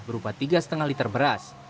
berupa tiga lima liter beras